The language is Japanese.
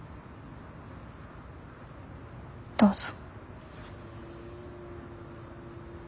どうぞ。